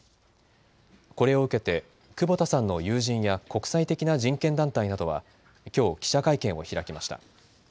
これを受けて久保田さんの友人や国際的な人権団体などはきょう記者会見を開きました。